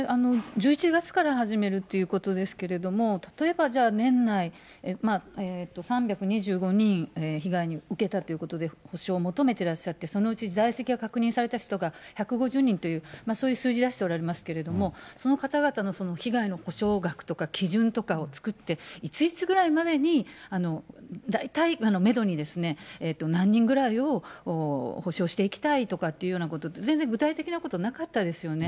１１月から始めるっていうことですけれども、例えば、じゃあ年内３２５人、被害を受けたということで、補償を求めてらっしゃって、そのうち在籍が確認された人が１５０人という、そういう数字出しておられますけれども、その方々の被害の補償額とか基準とかを作って、いついつぐらいまでに、大体、メドにですね、何人ぐらいを補償していきたいというようなこと、全然具体的なことなかったですよね。